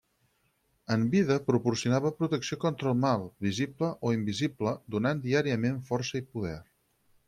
En vida proporcionava protecció contra el mal, visible o invisible, donant diàriament força i poder.